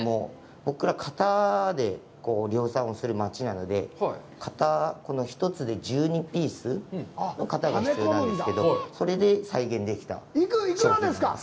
型で量産をする町なので、型、この１つで１２ピースの型が必要なんですけど、それで再現できたと。